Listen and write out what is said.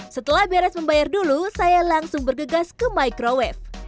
setelah beres membayar dulu saya langsung bergegas ke microwave